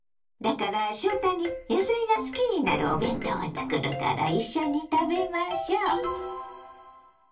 だから翔太に野菜が好きになるお弁当を作るから一緒に食べましょう！